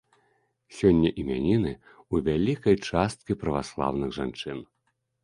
Сёння імяніны ў вялікай часткі праваслаўных жанчын.